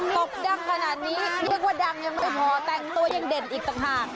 ตกดังขนาดนี้เรียกว่าดังยังไม่พอแต่งตัวยังเด่นอีกต่างหาก